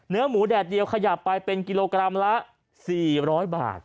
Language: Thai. เนื้อหมูแดดเดียวขยับไปเป็นกิโลกรัมละ๔๐๐บาท